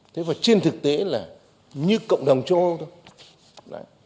thế và trên thực tế là như cộng đồng châu âu thôi